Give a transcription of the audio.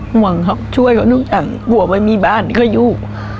ห่วงเขาช่วยเขาทุกอย่างกลัวไม่มีบ้านก็อยู่